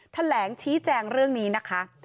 แถลงชี้แจงเรื่องนี้นะคะ